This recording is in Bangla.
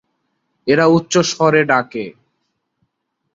এরা উচ্চস্বরে ডাকে।